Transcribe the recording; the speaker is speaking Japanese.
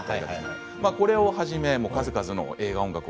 これをはじめ数々の映画監督を